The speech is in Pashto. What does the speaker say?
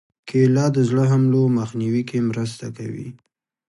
کېله د زړه حملو مخنیوي کې مرسته کوي.